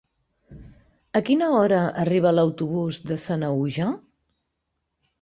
A quina hora arriba l'autobús de Sanaüja?